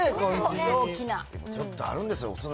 でも、ちょっとあるんですよ。